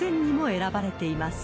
選ばれています］